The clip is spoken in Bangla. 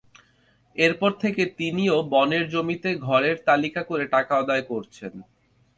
এরপর থেকে তিনিও বনের জমিতে ঘরের তালিকা করে টাকা আদায় করছেন।